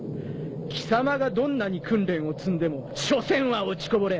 貴様がどんなに訓練を積んでも所詮は落ちこぼれ。